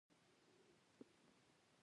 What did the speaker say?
مېلمه ته د زړه له درده خواړه ورکړه.